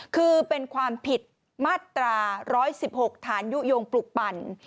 คือเป็นความผิดมาตรา๑๑๖ฐานยุโยงปลุกปั่น